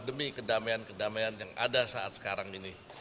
demi kedamaian kedamaian yang ada saat sekarang ini